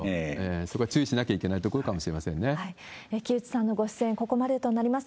そこは注意しなければいけないと木内さんの出演はここまでとなります。